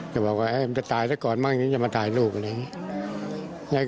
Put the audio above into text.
เขาบอกว่าเออมันจะถ่ายซะก่อนบ้างจะมาถ่ายรูปอะไรอย่างนี้